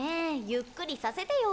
ゆっくりさせてよ。